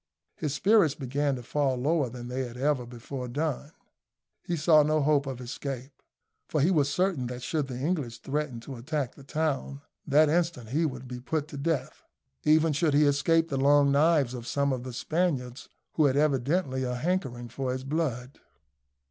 His spirits began to fall lower than they had ever before done. He saw no hope of escape; for he was certain that should the English threaten to attack the town, that instant he would put be to death, even should he escape the long knives of some of the Spaniards who had evidently a hankering for his blood.